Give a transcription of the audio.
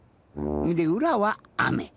んでうらは雨。